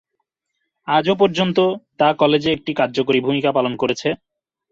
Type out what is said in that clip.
আজও পর্যন্ত তা কলেজে একটি কার্যকরী ভূমিকা পালন করেছে।